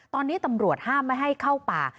ตอนนี้ตำรวจห้ามไม่ให้เข้าป่า